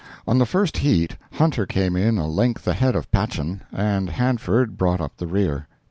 On the first heat "Hunter" came in a length ahead of "Patchen," and "Hanford" brought up the rear.